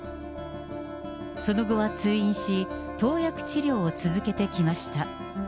その後は通院し、投薬治療を続けてきました。